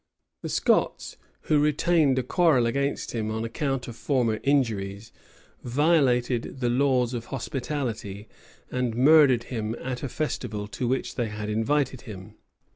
The Scots, who retained a quarrel against him on account of former injuries, violated the laws of hospitality, and murdered him at a festival to which they had invited him.